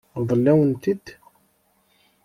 Ṛeḍlent-awen-t-id?